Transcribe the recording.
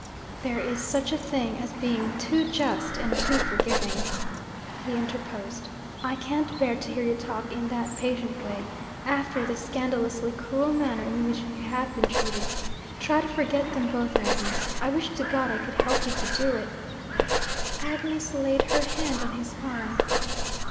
'There is such a thing as being too just and too forgiving!' he interposed. 'I can't bear to hear you talk in that patient way, after the scandalously cruel manner in which you have been treated. Try to forget them both, Agnes. I wish to God I could help you to do it!' Agnes laid her hand on his arm.